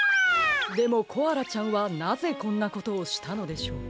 でもコアラちゃんはなぜこんなことをしたのでしょう。